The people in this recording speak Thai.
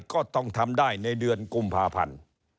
ก็ต้องทำได้ในเดือนกุมภาพันธ์